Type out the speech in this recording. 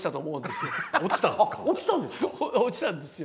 落ちたんですか？